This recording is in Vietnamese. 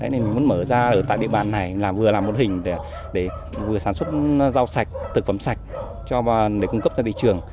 mình muốn mở ra tại địa bàn này vừa làm một hình để vừa sản xuất rau sạch thực phẩm sạch để cung cấp sang thị trường